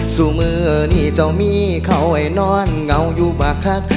สู่เมื่อนี้เจ้ามีเขาให้นอนเงาอยู่บักคัก